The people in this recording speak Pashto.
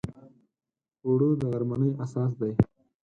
اوړه د غرمنۍ اساس دی